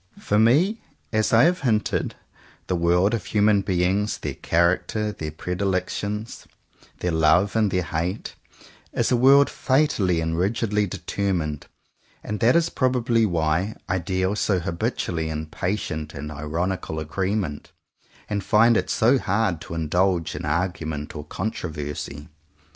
For me as I have hinted, the world of human beings, their character, their pre dilections, their love and their hate, is a world fatally, and rigidly determined; and that is probably why I deal so habitually in patient and ironical agreement, and find it so hard to indulge in argument or contro versy.